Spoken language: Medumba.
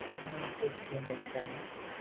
Sàm mèn ke’ ku’ nesian.